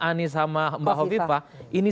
anies sama mbak hovipa ini